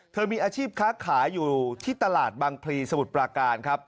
มีอาชีพค้าขายอยู่ที่ตลาดบางพลีสมุทรปราการครับ